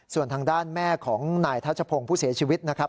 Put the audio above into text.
ส่วนทางด้านแม่ของนายทัชพงศ์ผู้เสียชีวิตนะครับ